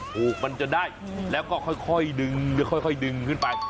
ผูกมันจนได้แล้วก็ค่อยดึงค่อยดึงขึ้นไป